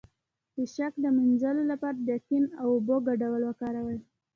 د شک د مینځلو لپاره د یقین او اوبو ګډول وکاروئ